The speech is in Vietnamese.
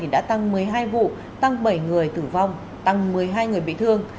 đã tăng một mươi hai vụ tăng bảy người tử vong tăng một mươi hai người bị thương